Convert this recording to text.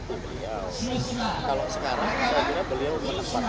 kalau sekarang saya kira beliau menempatkan diri sebagai tentara beliau belum menentukan apa apa